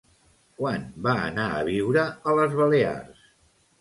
Quan va anar a viure a les Balears?